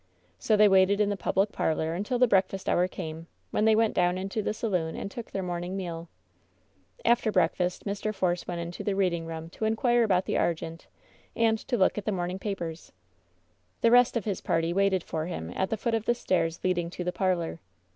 So they waited in the public parlor until the breakfast hour came, when they went down into the saloon and took their morning meal. After breakfast Mr. Force went into the reading room to inquire about the Argente and to look at the morn ing papers. The rest of his party waited for him at the foot of the stairs leading to the parlor.